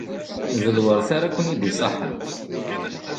D lweṛt ara ken-id-iṣaḥen.